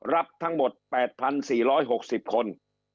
รับทั้งหมด๘๔๖๐คน